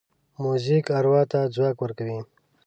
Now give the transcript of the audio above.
موزیک اروا ته ځواک ورکوي.